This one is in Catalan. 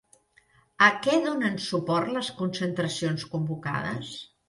A què donen suport les concentracions convocades?